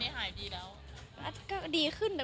อาจดีขึ้น